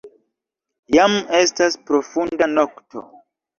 Jam estas profunda nokto.